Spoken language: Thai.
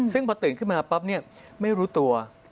ซึ่งพอตื่นขึ้นมาปั๊บเนี่ยไม่รู้ตัว